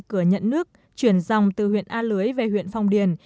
cửa nhận nước chuyển dòng từ huyện a lưới về huyện phong điền